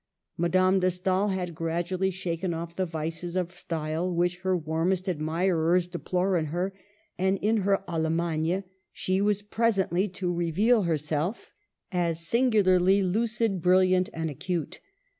Madame de Stael had grad ually shaken off the vices of style which her warmest admirers deplore in her, and in her Allemagne she was presently to reveal herself as Digitized by VjOOQLC HER WORKS. 235 singularly lucid, brilliant, and acute.